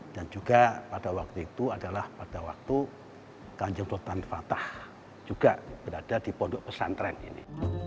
dan juga pada waktu itu adalah pada waktu ganjeng sultan fatah juga berada di pondok pesantren ini